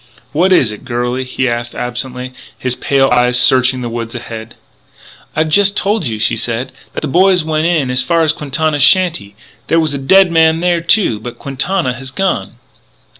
"What is it, girlie?" he asked absently, his pale eyes searching the woods ahead. "I've just told you," she said, "that the boys went in as far as Quintana's shanty. There was a dead man there, too; but Quintana has gone."